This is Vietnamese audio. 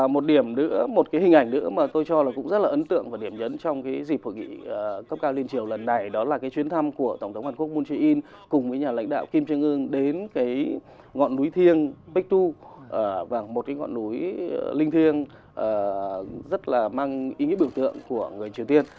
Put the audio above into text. một điểm nữa một cái hình ảnh nữa mà tôi cho là cũng rất là ấn tượng và điểm nhấn trong cái dịp hội nghị cấp cao liên triều lần này đó là cái chuyến thăm của tổng thống hàn quốc moon jae in cùng với nhà lãnh đạo kim trương ương đến cái ngọn núi thiêng pic tu và một cái ngọn núi linh thiêng rất là mang ý nghĩa biểu tượng của người triều tiên